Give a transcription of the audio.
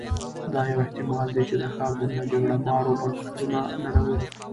دا یو احتمال دی چې د ښار دننه جګړه مارو بنسټونه نړولي